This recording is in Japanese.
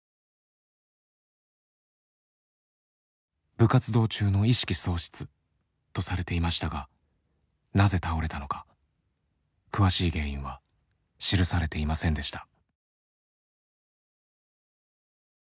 部活動中の意識喪失とされていましたがなぜ倒れたのか詳しい原因は記されていませんでした。